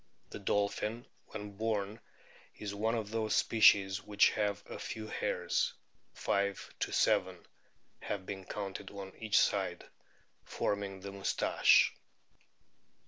The dolphin when born is one of those species which have a few hairs ; 5 7 have been counted on each side, forming the "moustache."